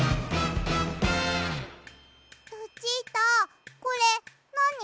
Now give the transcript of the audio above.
ルチータこれなに？